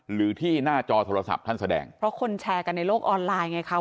หรือที่หน้าจอโทรศัพท์ท่านแสดงเพราะคนแชร์กันในโลกออนไลน์ไงคะ